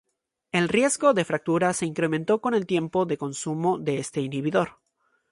El riesgo de fractura se incrementó con el tiempo de consumo de este inhibidor.